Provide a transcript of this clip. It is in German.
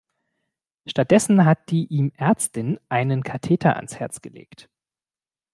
Stattdessen hat die ihm Ärztin einen Katheter ans Herz gelegt.